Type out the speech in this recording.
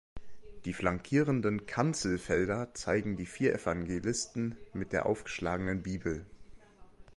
Die flankierenden Kanzelfelder zeigen die vier Evangelisten mit der aufgeschlagenen Bibel.